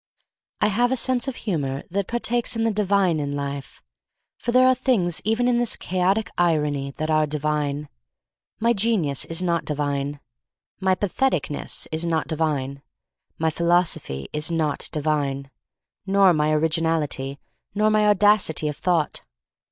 I HAVE a sense of humor that par takes of the divine in life — for there are things even in this chaotic irony that are divine. My genius is not divine. My patheticness is not divine. My philosophy is not divine, nor my originality, nor my audacity of thought.